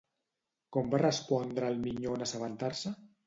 Com va respondre el minyó en assabentar-se?